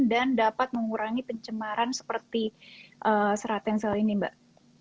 dan dapat mengurangi pencemaran seperti serat pencil ini mbak